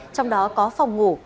trong đó có phòng ngủ